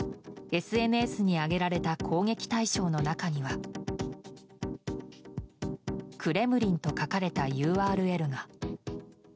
ＳＮＳに上げられた攻撃対象の中には「クレムリン」と書かれたＵＲＬが。